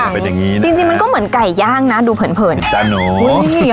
เป็นอย่างงี้จริงจริงมันก็เหมือนไก่ย่างนะดูเผินเผินจาหนู